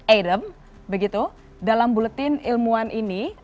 eidem dalam buletin ilmuwan ini